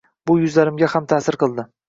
Bu yuzlarimga ham taʼsir qildi.